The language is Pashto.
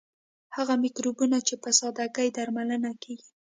هغه مکروبونه چې په ساده ګۍ درملنه کیږي.